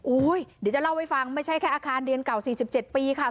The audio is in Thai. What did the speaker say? เดี๋ยวจะเล่าให้ฟังไม่ใช่แค่อาคารเรียนเก่า๔๗ปีค่ะ